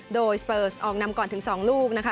โดยสเปอร์สออกนำก่อนถึง๒ลูกนะคะ